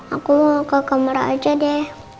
aku mau ke kamera aja deh